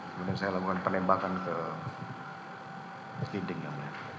kemudian saya lakukan penembakan ke dinding yang mulia